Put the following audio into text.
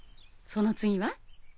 その次は？